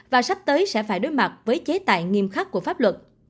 và sắp tới sẽ phải đối mặt với chế tài nghiêm khắc của pháp luật